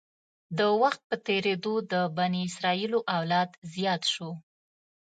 د وخت په تېرېدو د بني اسرایلو اولاد زیات شو.